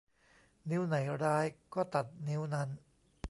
นิ้วไหนร้ายก็ตัดนิ้วนั้น